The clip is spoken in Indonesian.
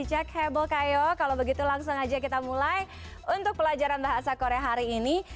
cek hebo kayo kalau begitu langsung aja kita mulai untuk pelajaran bahasa korea hari ini